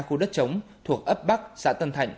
khu đất chống thuộc ấp bắc xã tân thạnh